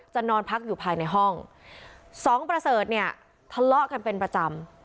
นอนพักอยู่ภายในห้องสองประเสริฐเนี่ยทะเลาะกันเป็นประจำ